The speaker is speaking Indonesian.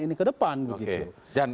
ini ke depan begitu dan